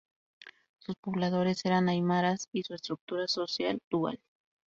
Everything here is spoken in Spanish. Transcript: Sus pobladores eran Aymaras y su estructura social dual.